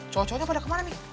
cowok cowoknya pada kemana nih